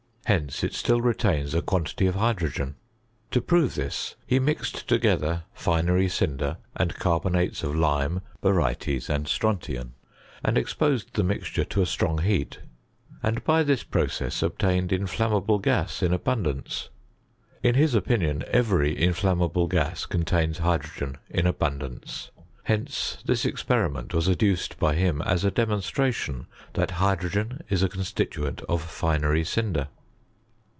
Hence it still retains a quantity of hydrogen. To prove this, he mixed together finery cinder and carbonates of lime, barytes and strontian, and ex posed the mixture to a strong heat; and by this process obtained inflammable gas in abundance. In his opinion every inflammable gas contains hydrogen in abundance. Hence this experiment was adduced by him as a demonstration that hydrogen is a con stituent of finery cinder.